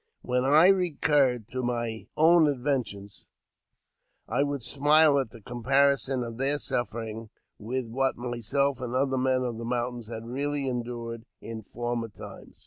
When I recurred to my own adventures, I would smile at the comparison of their sufferings with what myself and other men of the mountains had really endured in former times.